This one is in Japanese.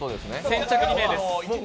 先着２名です。